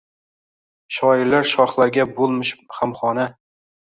Shoirlar shoxlarga bulmish hamhona